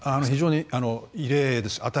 非常に異例です。